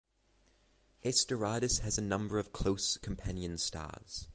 S Doradus has a number of close companion stars.